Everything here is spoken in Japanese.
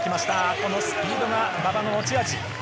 このスピードが馬場の持ち味。